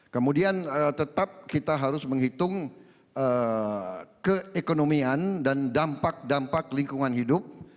kemudian tetap kita harus menghitung keekonomian dan dampak dampak lingkungan hidup